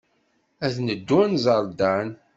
Ad neddu ad nẓer Dan.